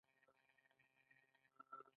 سخت یې خوږ کړم، لږ وروسته مې د وینې تود جریان.